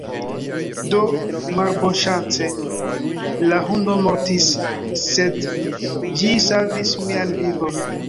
Do malbonŝance, la hundo mortis, sed ĝi savis mian vivon